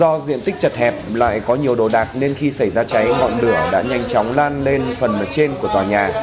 do diện tích chật hẹp lại có nhiều đồ đạc nên khi xảy ra cháy ngọn lửa đã nhanh chóng lan lên phần ở trên của tòa nhà